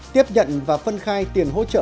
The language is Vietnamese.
tiếp nhận và phân khai tiền hỗ trợ